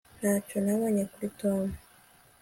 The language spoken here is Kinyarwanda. ntacyo nabonye kuri tom